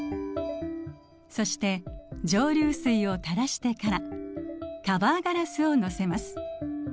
そして蒸留水をたらしてからカバーガラスを載せます。